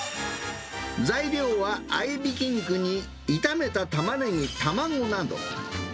材料は合いびき肉に炒めたタマネギ、卵など。